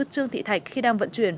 trương thị thạch khi đang vận chuyển